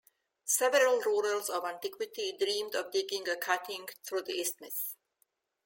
Several rulers of antiquity dreamed of digging a cutting through the isthmus.